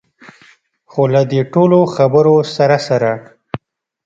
خو له دې ټولو خبرو سره سره.